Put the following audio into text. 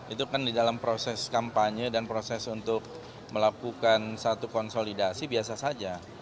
itu kan di dalam proses kampanye dan proses untuk melakukan satu konsolidasi biasa saja